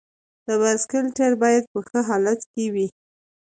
د بایسکل ټایر باید په ښه حالت کې وي.